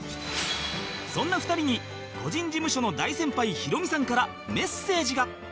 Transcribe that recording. そんな２人に個人事務所の大先輩ヒロミさんからメッセージが